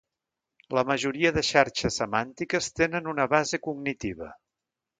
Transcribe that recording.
La majoria de xarxes semàntiques tenen una base cognitiva.